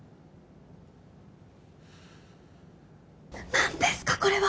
何ですかこれは！